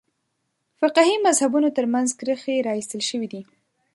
فقهي مذهبونو تر منځ کرښې راایستل شوې دي.